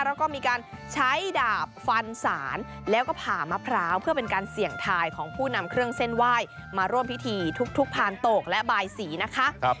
แล้วก็มีการใช้ดาบฟันศาลแล้วก็ผ่ามะพร้าวเพื่อเป็นการเสี่ยงทายของผู้นำเครื่องเส้นไหว้มาร่วมพิธีทุกพานโตกและบายสีนะคะ